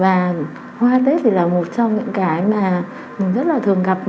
và hoa tết thì là một trong những cái mà rất là thường gặp